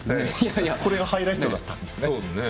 これがハイライトだったんですね。